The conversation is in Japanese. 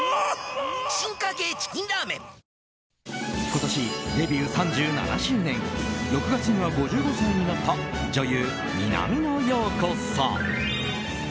今年デビュー３７周年６月には５５歳になった女優・南野陽子さん。